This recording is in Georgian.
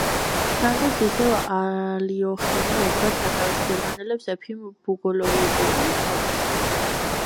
ფრანგებს ისევ ალიოხინი ედგათ სათვეში, გერმანელებს ეფიმ ბოგოლიუბოვი თავკაცობდა.